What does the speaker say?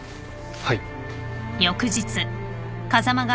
はい。